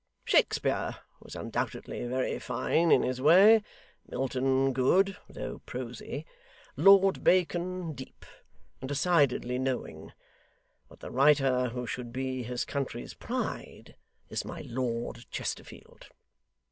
Shakespeare was undoubtedly very fine in his way; Milton good, though prosy; Lord Bacon deep, and decidedly knowing; but the writer who should be his country's pride, is my Lord Chesterfield.